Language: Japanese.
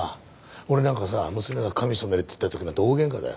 俺なんかさ娘が髪染めるって言った時なんて大喧嘩だよ。